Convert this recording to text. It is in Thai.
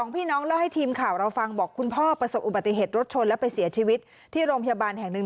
ปฏิเหตุรถชนและไปเสียชีวิตที่โรงพยาบาลแห่งหนึ่ง